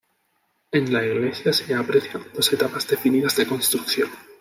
En la Iglesia se aprecian dos etapas definidas de construcción.